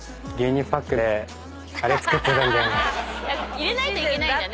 入れないといけないんだね。